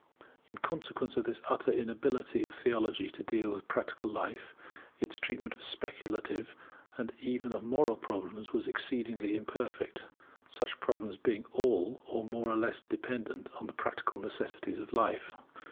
In consequence of this utter inability of theology to deal with practical life, its treatment of speculative and even of moral problems was exceedingly imperfect, such problems being all more or less dependent on the practical necessities of life.